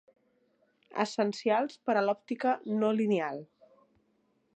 Essencials per a l’òptica no lineal.